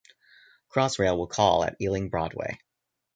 Crossrail will call at Ealing Broadway.